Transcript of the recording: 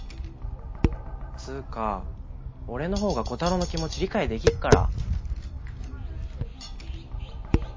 つーか俺のほうがコタローの気持ち理解できっから。